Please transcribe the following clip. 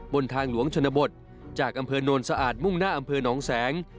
บนทางหลวงชนบทจากอำเภอโนนสะอาดมุ่งหน้าอำเภอหนองแสง